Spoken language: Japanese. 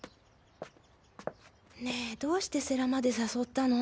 ねぇどうして世良まで誘ったの？